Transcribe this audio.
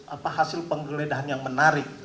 apa hasil penggeledahan yang menarik